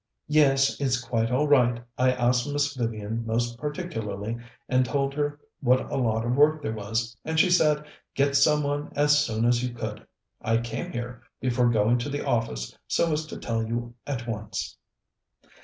"Yes, it's quite all right. I asked Miss Vivian most particularly, and told her what a lot of work there was, and she said, Get some one as soon as you could. I came here before going to the office so as to tell you at once."